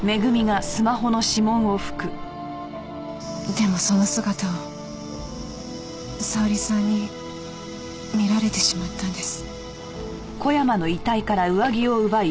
でもその姿を沙織さんに見られてしまったんです。